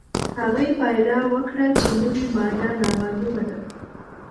هغې پایله وکړه چې نوې ماده نامعلومه ده.